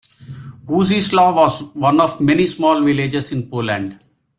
Wodzislaw was one of many small villages in Poland.